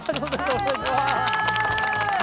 お願いします。